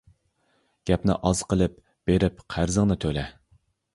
گەپنى ئاز قىلىپ بېرىپ قەرزىڭنى تۆلە!